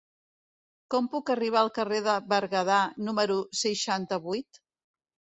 Com puc arribar al carrer de Berguedà número seixanta-vuit?